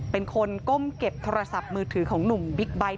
เป็นคนก้มเก็บโทรศัพท์มือถือของหนุ่มบิ๊กไบท์